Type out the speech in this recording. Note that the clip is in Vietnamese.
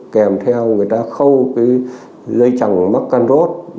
kèm theo người ta khâu cái dây chằng mắc can rốt